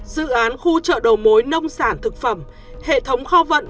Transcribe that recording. dự án khu chợ đầu mối nông sản thực phẩm hệ thống kho vận